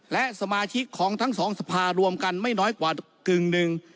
และสมาชิกของทั้งสองสภารวมกันไม่น้อยกว่ากึ่งหนึ่ง